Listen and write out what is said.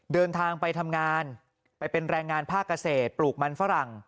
เดินทางไปทำงานไปเป็นแรงงานภาคเกษตรปลูกมันฝรั่ง